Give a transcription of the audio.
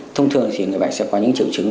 thông thường thì người bệnh sẽ có những triệu chứng